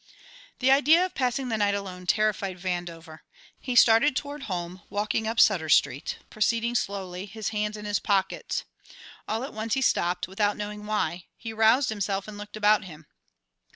The idea of passing the night alone terrified Vandover. He started toward home, walking up Sutter Street, proceeding slowly, his hands in his pockets. All at once he stopped, without knowing why; he roused himself and looked about him.